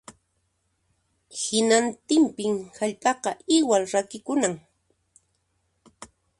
Hinantinpin hallp'aqa iwal rakikunan